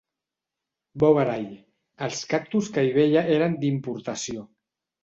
Bovary: els cactus que hi veia eren d'importació.